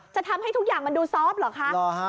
จะทำให้ทุกอย่างมันดูซอฟต์เหรอคะ